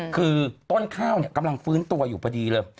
คือต้นข้าวกำลังฟื้นตัวอยู่พอดีเลย